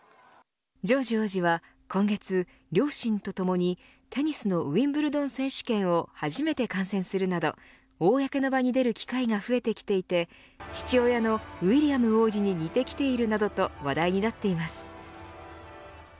ジョージ王子は今月両親とともにテニスのウィンブルドン選手権を初めて観戦するなど公の場に出る機会が増えてきていて父親のウィリアム王子に似てきているなどと話題になっています。